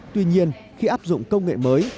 tuy nhiên khi áp dụng công nghệ mới